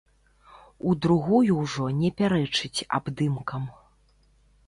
У другую ўжо не пярэчыць абдымкам.